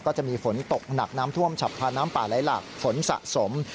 ก็จะมีฝนตกหนักน้ำท่วมฉับพลันน้ำป่าไหลหลากฝนสะสม